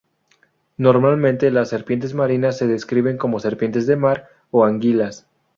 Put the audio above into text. Normalmente, las serpientes marinas se describen como serpientes de mar o anguilas.